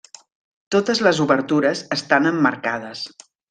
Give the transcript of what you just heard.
Totes les obertures estan emmarcades.